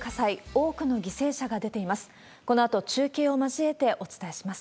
多くの犠牲者が出ています。